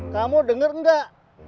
kamu denger gak